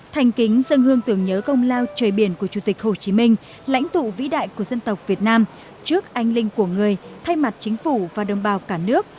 thành kính dân hương tưởng nhớ công lao trời biển của chủ tịch hồ chí minh lãnh tụ vĩ đại của dân tộc việt nam trước anh linh của người thay mặt chính phủ và đồng bào cả nước